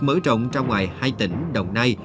mở rộng ra ngoài hai tỉnh đồng nay